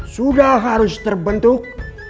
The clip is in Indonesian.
sudah harus terbentuk